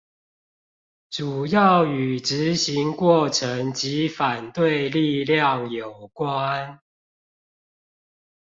主要與執行過程及反對力量有關